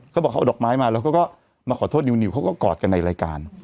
เขาบอกเขาเอาดอกไม้มาแล้วก็มาขอโทษนิวเขาก็กอดกันในรายการ